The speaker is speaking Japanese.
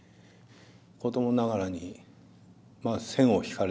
子どもながらに線を引かれた。